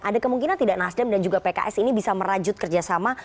ada kemungkinan tidak nasdem dan juga pks ini bisa merajut kerjasama